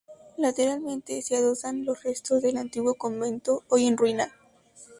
Lateralmente se adosan los restos del antiguo convento, hoy en ruina.